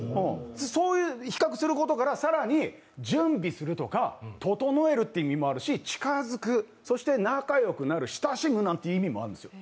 比較することから、更に準備するとか、整えるっていう意味もあるし、近づく、そして仲良くなる、親しむなんて意味もあるんですよ。